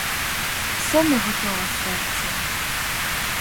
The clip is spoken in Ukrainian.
Все не готова серцем.